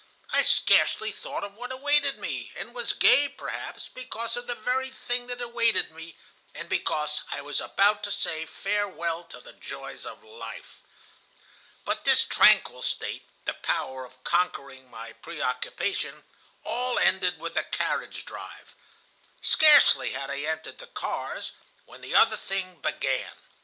I scarcely thought of what awaited me, and was gay perhaps because of the very thing that awaited me, and because I was about to say farewell to the joys of life. "But this tranquil state, the power of conquering my preoccupation, all ended with the carriage drive. Scarcely had I entered the cars, when the other thing began.